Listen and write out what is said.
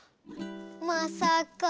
まさか。